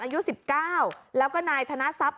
อายุ๑๙แล้วก็นายธนทรัพย